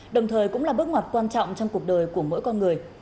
đồng thời cũng là bước ngoặt quan trọng trong cuộc đời của mỗi con người